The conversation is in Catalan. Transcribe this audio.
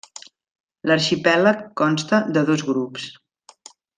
L'arxipèlag consta de dos grups.